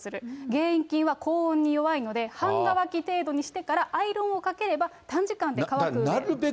原因菌は高温に弱いので、半乾き程度にしてから、アイロンをかければ短時間で乾くので。